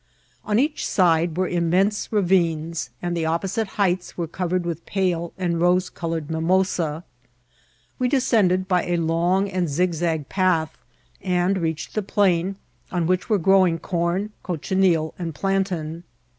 On each side were immense ravines, and the qppodite heights were cov^ed with pale and rose col* cured mimosa. We descended by a long and zig»g path, and r^tdied the plain, on which were growing corn, cochineal, and plantain.